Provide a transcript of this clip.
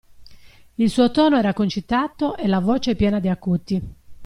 Il suo tono era concitato e la voce piena di acuti.